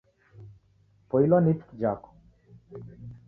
Poilwa ni ituku jako!